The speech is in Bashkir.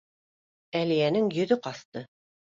Әлиәнең йөҙө ҡасты.